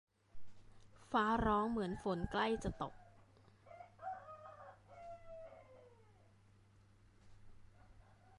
ฟ้าร้องเหมือนฝนใกล้จะตก